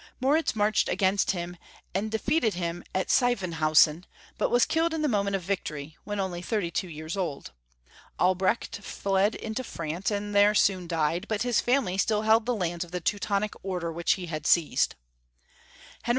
Moritz marched against him, and defeated him at Sievenhausen< but was killed in the moment of vic tory, when only thirty two years old. Albrecht fled into France, and there soon died, but liis family still held the lands of the Teutonic order Avhich he had seized. Henry II.